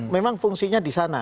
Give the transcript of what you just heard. memang fungsinya di sana